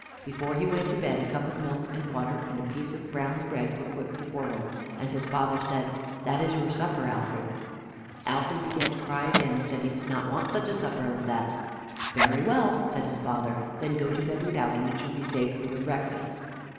Before he went to bed, a cup of milk and water and a piece of brown bread were put before him, and his father said: "That is your supper, Alfred." Alfred began to cry again, and said he did not want such a supper as that. "Very well," said his father, "then go to bed without, and it shall be saved for your breakfast."